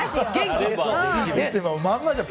まんまじゃん。